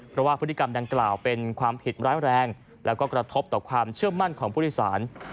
เพราะว่าพฤติกรรมดังกล่าวเป็นความผิดแร้แรงและก็กระทบต่อการเชื่อมั่นของบริษัท